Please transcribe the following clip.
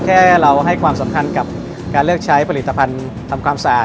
แค่เราให้ความสำคัญกับการเลือกใช้ผลิตภัณฑ์ทำความสะอาด